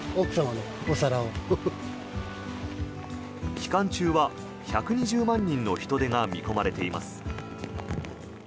期間中は１２０万人の人出が見込まれています。